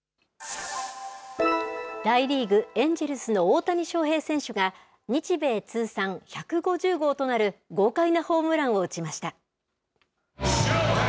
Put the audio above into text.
大リーグ・エンジェルスの大谷翔平選手が、日米通算１５０号となる、豪快なホームランを打ちました。